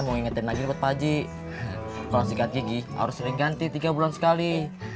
ngeingetin lagi nabut paji kalau sikat gigi harus sering ganti tiga bulan sekali